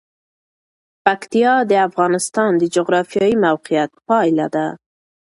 پکتیا د افغانستان د جغرافیایي موقیعت پایله ده.